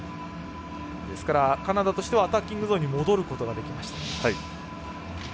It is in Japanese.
ですから、カナダとしてはアタッキングゾーンに戻ることができました。